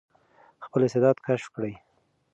خپل استعداد کشف کړئ.